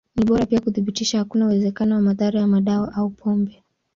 Ni bora pia kuthibitisha hakuna uwezekano wa madhara ya madawa au pombe.